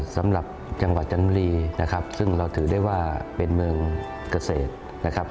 สำหรับจังหวัดจันทบุรีนะครับซึ่งเราถือได้ว่าเป็นเมืองเกษตรนะครับ